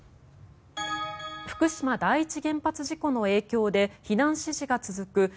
福島第一原発事故の影響で避難指示が続く